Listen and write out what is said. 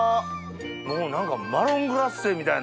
もう何かマロングラッセみたいな。